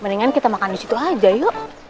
mendingan kita makan disitu aja yuk